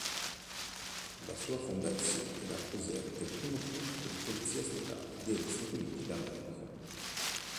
La sua fondazione rappresenta il primo corpo di polizia statale degli Stati Uniti d'America.